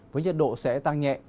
với nhiệt độ sẽ tăng nhẹ